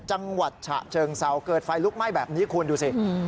จังหวัดฉะเชิงเศร้าเกิดไฟลุกไหม้แบบนี้คุณดูสิ